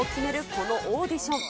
このオーディション。